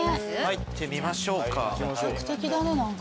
入ってみましょうか。